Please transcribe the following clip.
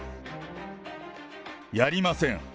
やりません。